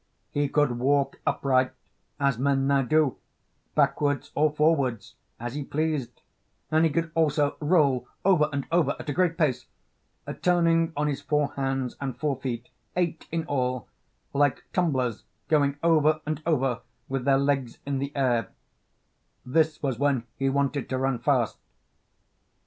He could walk upright as men now do, backwards or forwards as he pleased, and he could also roll over and over at a great pace, turning on his four hands and four feet, eight in all, like tumblers going over and over with their legs in the air; this was when he wanted to run fast.